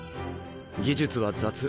技術は雑。